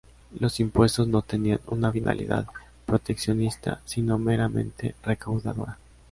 Los impuestos no tenían una finalidad proteccionista, sino meramente recaudadora.